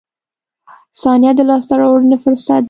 • ثانیه د لاسته راوړنې فرصت ده.